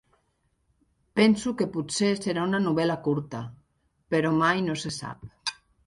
Penso que potser serà una novel·la curta, però mai no se sap.